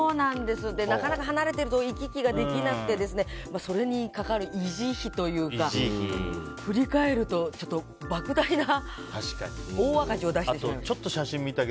なかなか離れていると行き来ができなくてそれにかかる維持費というか振り返ると莫大な大赤字を出してしまいました。